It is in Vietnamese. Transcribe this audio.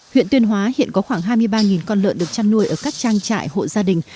huyện tuyên hóa hiện có khoảng hai mươi ba con lợn được chăn nuôi ở các trang trại hộ gia đình